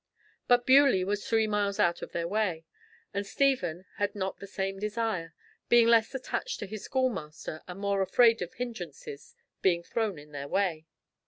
But Beaulieu was three miles out of their way, and Stephen had not the same desire, being less attached to his schoolmaster and more afraid of hindrances being thrown in their way.